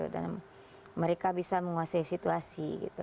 dan mereka bisa menguasai situasi